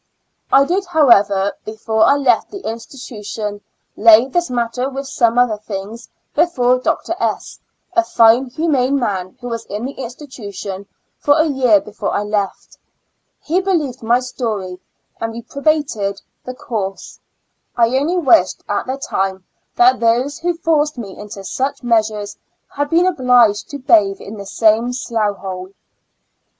I did, however, before I left the institu tion, lay this matter, with some other things, before Dr. S., a fine humane man who was in the institution for a year before I left. He believed my story and reprobated the course. I only wished at the time that those who forced me into such measures had been obliged to bathe in the same slough hole.